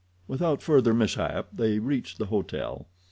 Without further mishap they reached the hotel.